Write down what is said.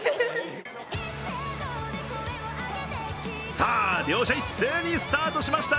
さあ、両者一斉にスタートしました。